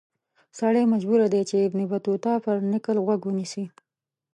سړی مجبور دی چې د ابن بطوطه پر نکل غوږ ونیسي.